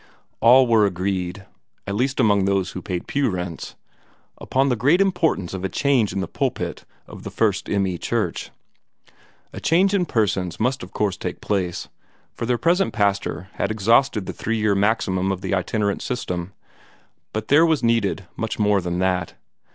All were agreed at least among those who paid pew rents upon the great importance of a change in the pulpit of the First M. E. Church. A change in persons must of course take place, for their present pastor had exhausted the three year maximum of the itinerant system, but there was needed much more than that.